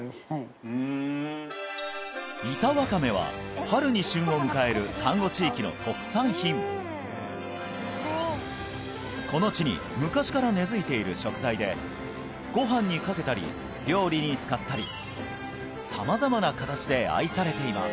ふん板ワカメは春に旬を迎える丹後地域の特産品この地に昔から根づいている食材でご飯にかけたり料理に使ったり様々な形で愛されています